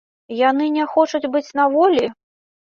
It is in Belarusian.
Яны не хочуць быць на волі?